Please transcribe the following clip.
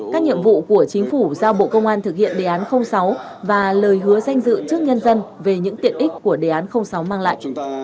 các nhiệm vụ của chính phủ giao bộ công an thực hiện đề án sáu và lời hứa danh dự trước nhân dân về những tiện ích của đề án sáu mang lại